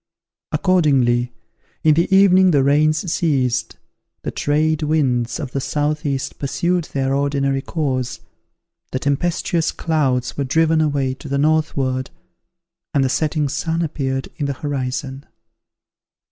Accordingly, in the evening the rains ceased, the trade winds of the southeast pursued their ordinary course, the tempestuous clouds were driven away to the northward, and the setting sun appeared in the horizon.